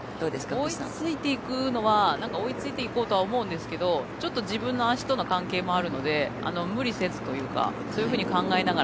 追いついていくのは追いついていこうとは思うんですけどちょっと自分の足との関係もあるので無理せずというかそういうふうに考えながら。